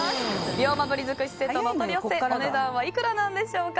龍馬鰤尽くしセットのお取り寄せお値段はいくらでしょうか。